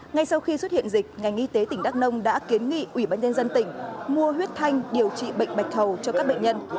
ngay sau khi xuất hiện dịch ngành y tế tỉnh đắk nông đã kiến nghị ủy ban nhân dân tỉnh mua huyết thanh điều trị bệnh bạch hầu cho các bệnh nhân